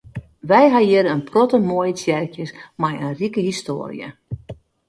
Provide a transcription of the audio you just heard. Wy ha hjir in protte moaie tsjerkjes mei in rike histoarje.